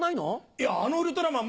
いやあのウルトラマン